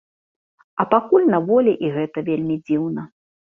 Я пакуль на волі і гэта вельмі дзіўна.